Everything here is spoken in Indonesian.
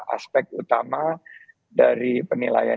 aspek utama dari penilaian